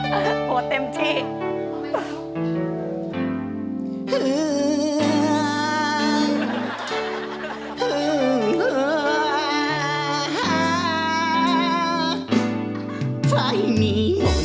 โหเต็มที่